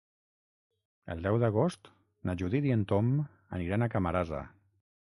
El deu d'agost na Judit i en Tom aniran a Camarasa.